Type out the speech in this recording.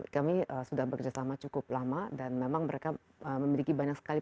kami sudah bekerjasama cukup lama dan memang mereka memiliki banyak sekali